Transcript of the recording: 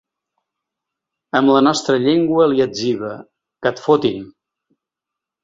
Amb la nostra llengua li etziba: Que et fotin.